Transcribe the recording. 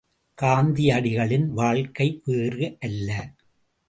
காந்தியடிகளின் வாழ்க்கை வேறு அல்ல.